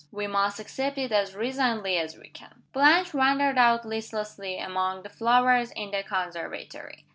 We must accept it as resignedly as we can." Blanche wandered out listlessly among the flowers in the conservatory.